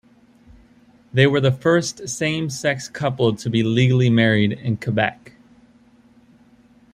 They were the first same-sex couple to be legally married in Quebec.